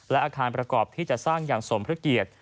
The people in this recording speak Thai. และอาคารประกอบที่จะสร้างอย่างสมพระเกียรติ